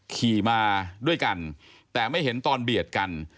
ขี่มาด้วยกันแต่ไม่เห็นตอนเบียดกัน